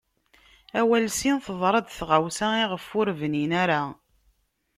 Awal sin teḍṛa-d tɣawsa i ɣef ur bnin ara.